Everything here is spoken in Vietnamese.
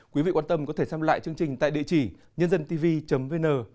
quý vị quan tâm có thể xem lại chương trình tại địa chỉ nhândântv vn